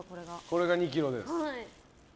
これが２ｋｇです。